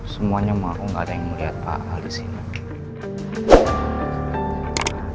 semuanya mau gak ada yang mau liat pak aldebaran di sini